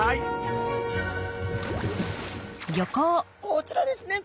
こちらですね